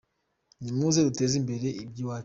Ni muze duteze imbere ibyiwacu.